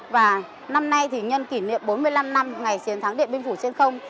và năm nay thì nhân kỷ niệm bốn mươi năm năm ngày chiến thắng điện biên phủ trên không